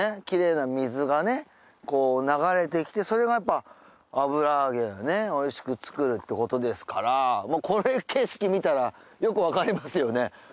きれいな水がねこう流れてきてそれがやっぱ油揚げをねおいしく作るってことですからもうこれ景色見たらよくわかりますよね。